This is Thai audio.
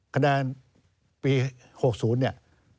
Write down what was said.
คะแนนปี๖๐เนี่ย